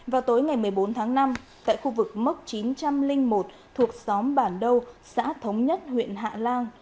vào tối ngày một mươi bốn tháng năm tại khu vực mốc chín trăm linh một thuộc xóm bản đâu xã thống nhất huyện hạ lan